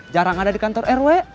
jarang ada di kantor rw